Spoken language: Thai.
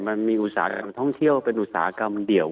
อุตสาหกรรมท่องเที่ยวเป็นอุตสาหกรรมเดี่ยว